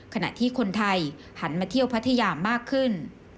ขณะที่คนไทยหันมาเที่ยวพัทยามากขึ้น